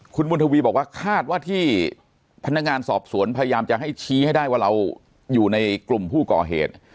คุณบุญทวีบอกว่าคาดว่าที่พนักงานสอบสวนพยายามจะให้ชี้ให้ได้ว่าเราอยู่ในกลุ่มผู้ก่อเหตุ